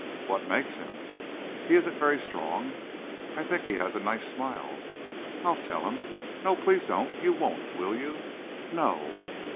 "What makes him?" "He isn't very strong." "I think he has a nice smile." "I'll tell him!" "No, please don't! You won't, will you?" "No."